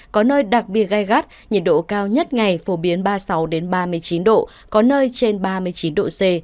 có nơi đặc biệt gai gắt nhiệt độ cao nhất ngày phổ biến ba mươi sáu ba mươi chín độ có nơi trên ba mươi chín độ c